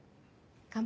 乾杯。